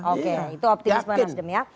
oke itu optimisme nasdem ya